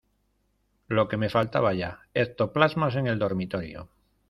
lo que me faltaba ya, ectoplasmas en el dormitorio.